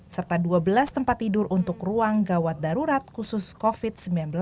serta dua belas tempat tidur untuk ruang gawat darurat khusus covid sembilan belas